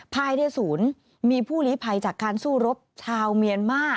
ภายในศูนย์มีผู้ลีภัยจากการสู้รบชาวเมียนมา